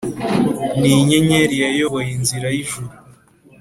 Ni inyenyeri yayoboye inzira y’ ljuru,